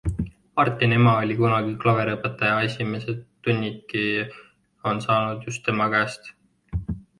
Martini ema oli kunagi klaveriõpetaja esimesed tunnidki on saadud just tema käest.